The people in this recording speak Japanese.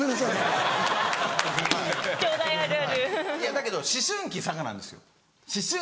だけど思春期佐賀なんですよ。